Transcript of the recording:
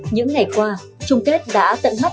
những ngày qua trung kết đã tận mắt